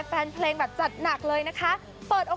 แบบใกล้ชิดเลยทีเดียว